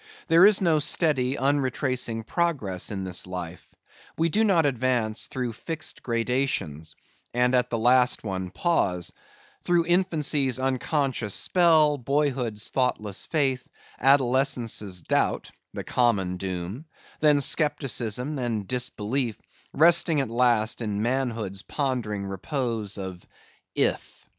There is no steady unretracing progress in this life; we do not advance through fixed gradations, and at the last one pause:—through infancy's unconscious spell, boyhood's thoughtless faith, adolescence' doubt (the common doom), then scepticism, then disbelief, resting at last in manhood's pondering repose of If.